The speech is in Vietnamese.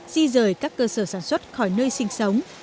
di rời các cơ sở sản xuất khỏi nơi sinh sống